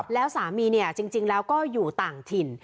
แล้วสามีเนี่ยจริงแล้วก็อยู่ต่างถิ่น